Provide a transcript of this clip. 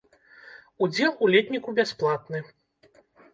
Удзел у летніку бясплатны.